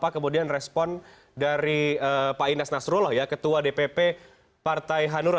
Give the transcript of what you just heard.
kemudian respon dari pak ines nasrullah ya ketua dpp partai hanura